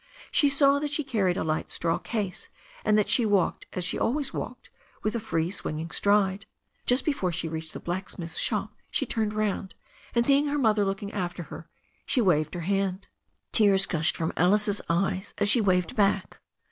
She saw that she carried a light straw case, and that she walked as she always walked, with a free swinging stride. Just before she reached the blacksmith's shop she turned round, and seeing her mother looking after her, she waved her hand. Tears gushed from Alice's eyes as she waved back.